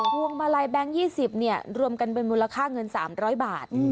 พวงมาลัยแบงค์๒๐เนี่ยรวมกันเป็นมูลค่าเงิน๓๐๐บาท